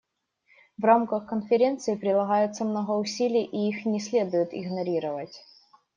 В рамках Конференции прилагается много усилий, и их не следует игнорировать.